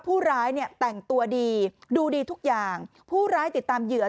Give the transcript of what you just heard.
ผู้ร้ายเนี่ยแต่งตัวดีดูดีทุกอย่างผู้ร้ายติดตามเหยื่อ